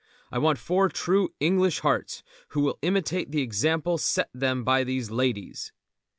I want four true English hearts who will imitate the example set them by these ladies."